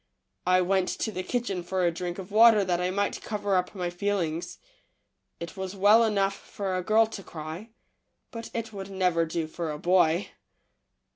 I went to the kitchen for a drink of water that I might cover up my feelings. It was well enough for a girl to cry, but it w^ould never do for a boy.